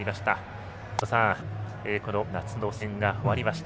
この夏の祭典が終わりました。